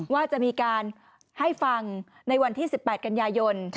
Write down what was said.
ว่าจะมีการให้ฟังในวันที่๑๘กันยายน